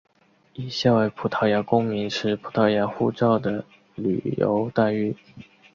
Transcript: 以下为葡萄牙公民持葡萄牙护照的旅游待遇。